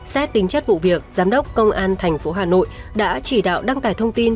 xét tính chất vụ việc giám đốc công an thành phố hà nội đã chỉ đạo đăng tải thông tin